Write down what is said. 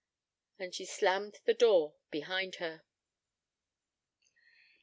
"' And she slammed the door behind her.